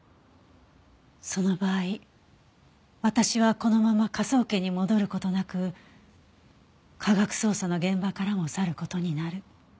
その場合私はこのまま科捜研に戻る事なく科学捜査の現場からも去る事になる。